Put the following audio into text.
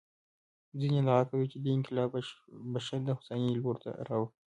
ځینې ادعا کوي چې دې انقلاب بشر د هوساینې لور ته راوړ.